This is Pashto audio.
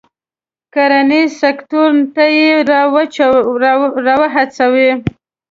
کرنیز سکتور ته یې را و هڅوي.